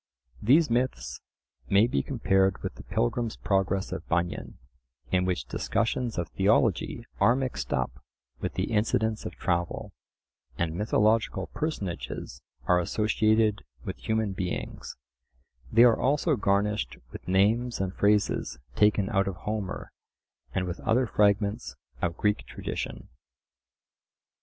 These myths may be compared with the Pilgrim's Progress of Bunyan, in which discussions of theology are mixed up with the incidents of travel, and mythological personages are associated with human beings: they are also garnished with names and phrases taken out of Homer, and with other fragments of Greek tradition.